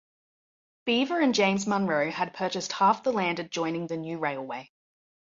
Beaver and James Munro, had purchased half the land adjoining the new railway.